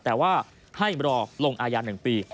แต่ว่าให้รอลงอายา๑ปี